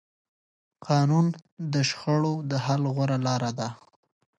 قانون د شخړو د حل غوره لاره ده